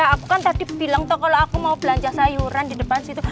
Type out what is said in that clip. aku kan tadi bilang toh kalau aku mau belanja sayuran di depan situ